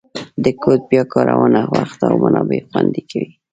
د کوډ بیا کارونه وخت او منابع خوندي کوي.